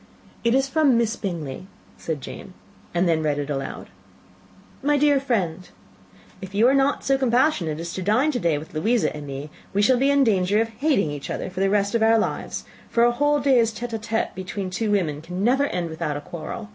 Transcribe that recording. "It is from Miss Bingley," said Jane, and then read it aloud. /* NIND "My dear friend, */ "If you are not so compassionate as to dine to day with Louisa and me, we shall be in danger of hating each other for the rest of our lives; for a whole day's tête à tête between two women can never end without a quarrel.